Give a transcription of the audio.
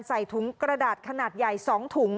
ใส่ถุงกระดาษขนาดใหญ่๒ถุง